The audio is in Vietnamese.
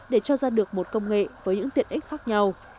để cho ra được một công nghệ với những tiện ích khác nhau